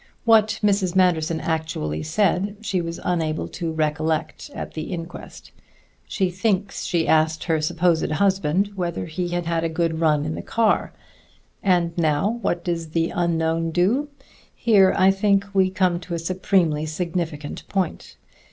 What Mrs. Manderson actually said, she was unable to recollect at the inquest. She thinks she asked her supposed husband whether he had had a good run in the car. And now what does the unknown do? Here, I think, we come to a supremely significant point.